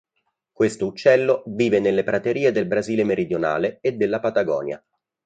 Questo uccello vive nelle praterie del Brasile meridionale e della Patagonia.